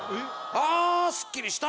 あすっきりした。